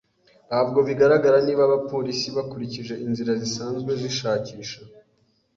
Ntabwo bigaragara niba abapolisi bakurikije inzira zisanzwe zishakisha.